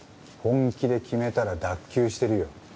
本気で決めたら脱臼してるよ。